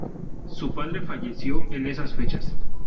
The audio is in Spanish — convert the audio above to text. Su padre falleció en esas fechas.